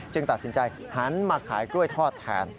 ตัดสินใจหันมาขายกล้วยทอดแทน